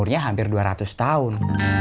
umurnya hampir dua ratus tahun